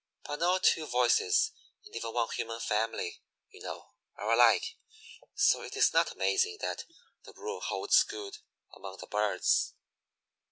But no two voices in even one human family, you know, are alike, so it is not amazing that the rule holds good among the birds.